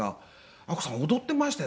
「アッコさん踊ってましたよ！」